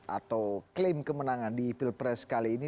atau klaim kemenangan di pilpres kali ini